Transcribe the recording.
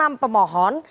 dari enam pemohon